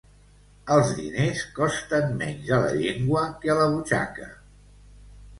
Els diners costen menys a la llengua que a la butxaca.